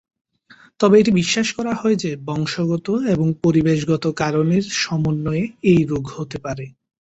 তবে এটি বিশ্বাস করা হয়ে যে বংশগত এবং পরিবেশগত কারণের সমন্বয়ে এই রোগ হতে পারে।